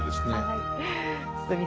はい。